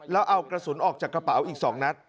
แล้วเอากระสุนออกจากกระเป๋าอีก๒นัด